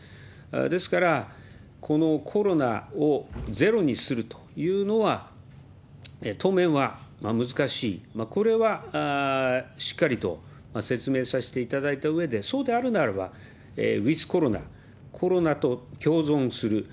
ですから、このコロナをゼロにするというのは、当面は難しい、これはしっかりと説明させていただいたうえで、そうであるならば、ウィズコロナ、コロナと共存する。